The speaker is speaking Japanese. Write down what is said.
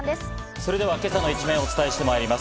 それでは今朝の一面、お伝えしてまいります。